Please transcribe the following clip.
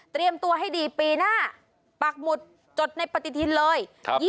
เตรียมตัวให้ดีปีหน้าปรักหมุดจดในประติธินเลย